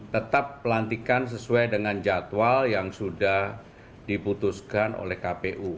tetap pelantikan sesuai dengan jadwal yang sudah diputuskan oleh kpu